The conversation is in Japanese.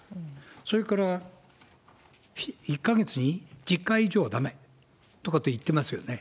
それから、１か月に１０回以上はだめとかって言ってますよね。